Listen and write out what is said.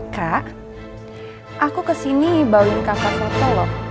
kak aku kesini bauin kakak foto loh